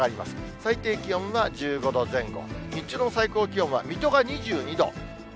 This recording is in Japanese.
最低気温が１５度前後、日中の最高気温は、水戸が２２度。